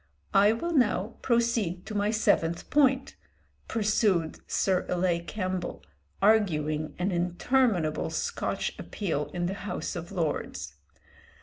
"I will now proceed to my seventh point," pursued Sir Ilay Campbell, arguing an interminable Scotch appeal in the House of Lords.